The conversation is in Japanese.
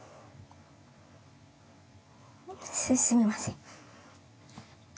すすみません。